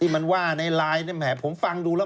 ที่มันว่าในไลน์เนี่ยแหมผมฟังดูแล้ว